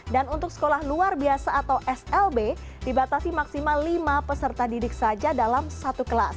dan untuk sekolah luar biasa atau slb dibatasi maksimal lima peserta didik saja dalam satu kelas